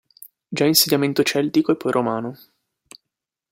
Già insediamento celtico e poi romano.